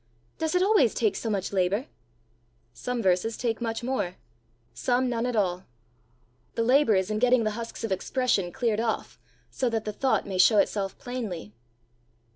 Does it always take so much labour?" "Some verses take much more; some none at all. The labour is in getting the husks of expression cleared off, so that the thought may show itself plainly."